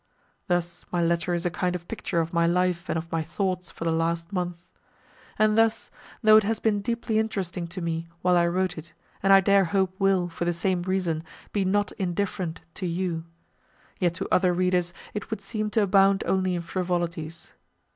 Thus, my letter is a kind of picture of my life and of my thoughts for the last month, and thus, though it has been deeply interesting to me, while I wrote it, and I dare hope will, for the same reason, be not indifferent to you, yet to other readers it would seem to abound only in frivolities.